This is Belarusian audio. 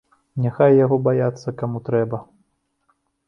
Няхай яго баяцца каму трэба!